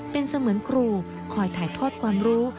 เป็นเสมือนครูคอยถ่ายทอดความรู้